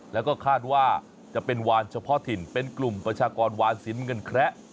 แล้วก็คาดว่าจะเป็นวานเฉพาะถิ่นเป็นกลุ่มประชากรวานสินเงินแคระ